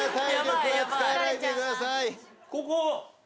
ここ。